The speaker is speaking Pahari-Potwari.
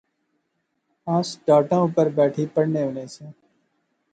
اس ٹاٹاں اوپر بیٹھی پڑھنے ہونے سیاں